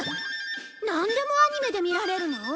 なんでもアニメで見られるの？